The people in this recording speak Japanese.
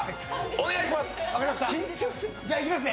お願いします。